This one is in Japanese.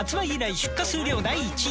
出荷数量第一位！